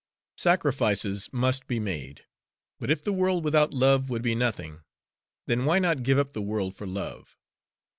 Sacrifices must be made, but if the world without love would be nothing, then why not give up the world for love?